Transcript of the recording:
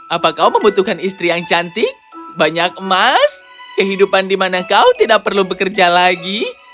apa kau membutuhkan istri yang cantik banyak emas kehidupan di mana kau tidak perlu bekerja lagi